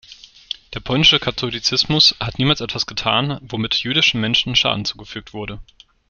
Der polnische Katholizismus hat niemals etwas getan, womit jüdischen Menschen Schaden zugefügt wurde.